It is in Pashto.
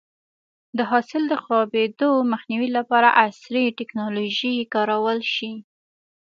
د حاصل د خرابېدو مخنیوی لپاره عصري ټکنالوژي کارول شي.